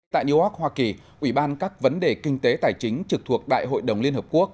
tại newark hoa kỳ ủy ban các vấn đề kinh tế tài chính trực thuộc đại hội đồng liên hợp quốc